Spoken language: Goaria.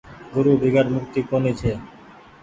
گورو بيگير مڪتي ڪونيٚ ڇي۔